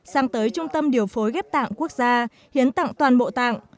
sang tới trung tâm điều phối ghép tạng quốc gia hiến tặng toàn bộ tạng